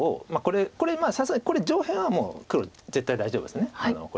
これさすがに上辺はもう黒絶対大丈夫です。